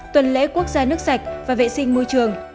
tuần lễ quốc gia nước sạch và vệ sinh môi trường